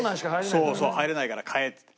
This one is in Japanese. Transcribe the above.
そうそう入れないから買えって。